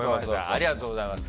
ありがとうございます。